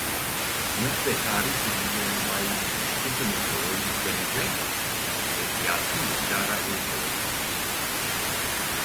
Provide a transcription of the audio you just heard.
Sınıf ve tarih bilincine sahip işçi sınıfı örgütlenecek ve siyasi iktidara el koyacaktır.